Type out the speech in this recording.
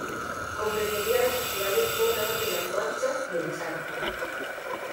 Comprendería las actuales zonas de Las Manchas y El Charco.